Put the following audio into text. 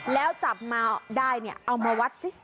แล้วจับมาได้เนี่ยเอามาวัดสิ